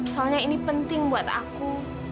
soalnya ini penting buat aku